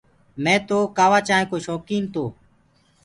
مي تو ڪآوآ چآنه ڪو شوڪين تو